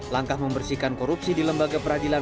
langkah membersihkan korupsi di lembaga peradilan